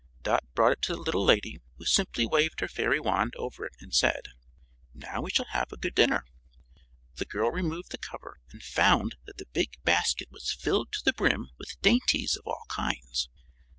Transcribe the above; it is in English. Dot brought it to the little lady, who simply waved her fairy wand over it and said: "Now we shall have a good dinner." The girl removed the cover and found that the big basket was filled to the brim with dainties of all kinds.